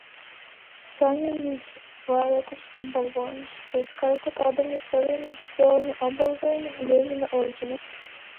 Saņēmis vairākus apbalvojumus, tai skaitā Padomju Savienības Varoņa apbalvojumu, Ļeņina ordeni.